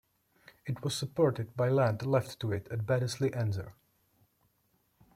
It was supported by land left to it at Baddesley Ensor.